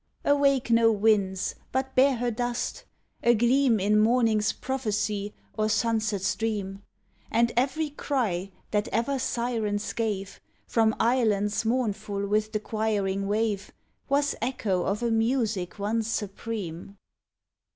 Awake no winds but bear her dust, a gleam In morning's prophecy or sunset's dream; And every cry that ever Sirens gave From islands mournful with the quiring wave Was echo of a music once supreme.